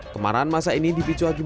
kemarahan masa ini dipicu akibat